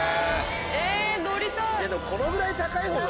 え乗りたい。